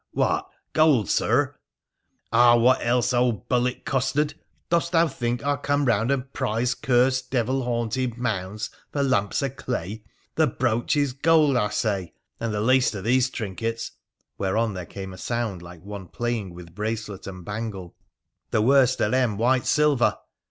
' What, gold, sir !'' Ah ! what else, old bullet costard ? Dost thou think I come round and prise cursed devil haunted mounds for lumps of clay ? The brooch is gold, I say ; and the least of these trinkets ' (whereon there came a sound like one playing with bracelet and bangle) —' the worst of them white silver.